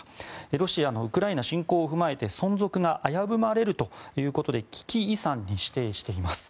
ロシアのウクライナ侵攻を踏まえて存続が危ぶまれるということで危機遺産に指定しています。